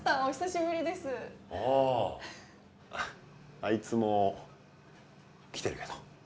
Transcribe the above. あいつも来てるけど。